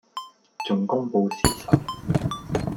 仲公報私仇